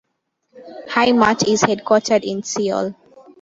Hi-Mart is headquartered in Seoul.